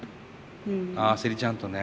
ああセリちゃんとね。